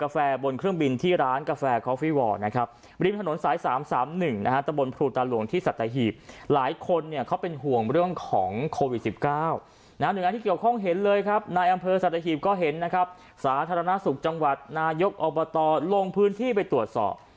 สาธารณสุขจังหวัดนายกอบตลงพื้นที่ไปตรวจสอบ